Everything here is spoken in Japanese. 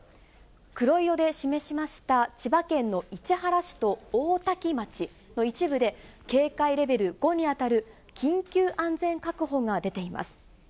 黒色で示しました千葉県の市原市と大多喜町の一部で、警戒レベル５に当たる緊急安全確保が出ています。